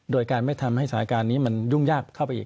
โดยการไม่ทำให้สถานการณ์นี้มันยุ่งยากเข้าไปอีก